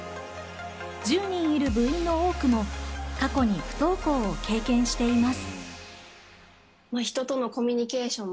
１０人にいる部員の多くも、過去に不登校を経験しています。